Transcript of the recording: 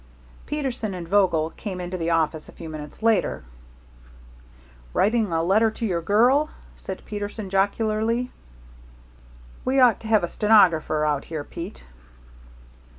Peterson and Vogel came into the office a few minutes later. "Writing a letter to your girl?" said Peterson, jocularly. "We ought to have a stenographer out here, Pete."